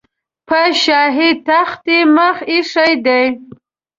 په شاهي تخت یې مخ ایښی دی.